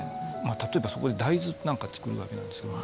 例えばそこで大豆なんかつくるわけなんですけどね